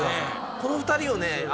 この２人をね